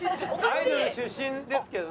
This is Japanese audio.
アイドル出身ですけどね。